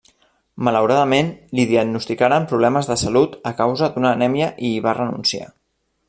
Malauradament li diagnosticaren problemes de salut a causa d'una anèmia i hi va renunciar.